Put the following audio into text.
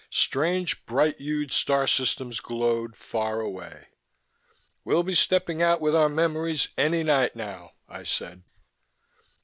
Strange bright hued star systems glowed far away. "We'll be stepping out with our memories any night now," I said.